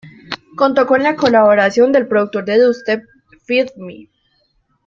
Contó con la colaboración del productor de dubstep Feed Me.